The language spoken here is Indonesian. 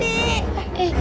itu suara apaan sih